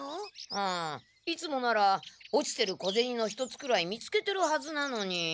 うんいつもなら落ちてる小ゼニの一つくらい見つけてるはずなのに。